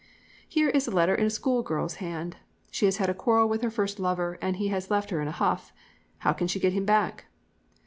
Here is a letter in a schoolgirl's hand. She has had a quarrel with her first lover and he has left her in a huff. How can she get him back?